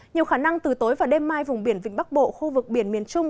nhiều khả năng từ tối và đêm mai vùng biển vịnh bắc bộ khu vực biển miền trung